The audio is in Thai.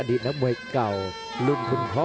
ดีตนักมวยเก่ารุ่นคุณพ่อ